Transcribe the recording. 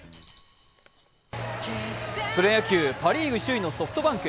プロ野球、パ・リーグ首位のソフトバンク。